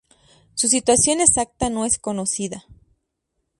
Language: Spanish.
Su situación exacta no es conocida.